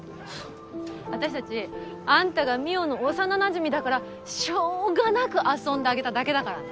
私たちあんたが望緒の幼なじみだからしょうがなく遊んであげただけだからね。